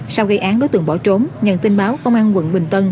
sau gây án đối tượng bỏ trốn nhận tin báo công an quận bình tân